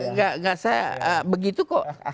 nggak begitu kok